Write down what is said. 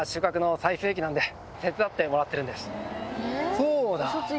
そうだ！